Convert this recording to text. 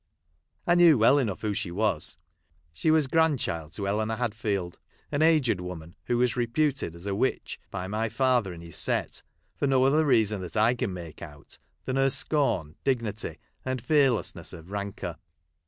I knew well enough who she was. She was grandchild to Eleanor Hadfield, an aged woman, who was reputed as a witch by my father and his set, for no other reason, that I can make out, than her scorn, dignity, and fearlessness of rancour.